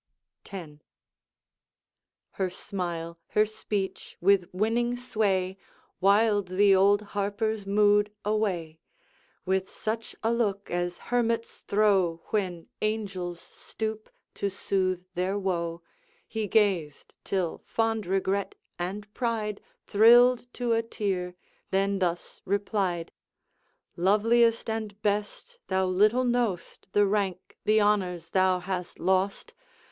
X. Her smile, her speech, with winning sway Wiled the old Harper's mood away. With such a look as hermits throw, When angels stoop to soothe their woe He gazed, till fond regret and pride Thrilled to a tear, then thus replied: 'Loveliest and best! thou little know'st The rank, the honors, thou hast lost!